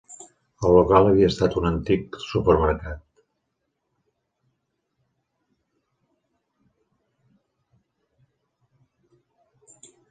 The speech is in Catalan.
El local havia estat un antic supermercat.